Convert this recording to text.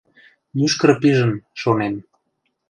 — Мӱшкыр пижын, шонем.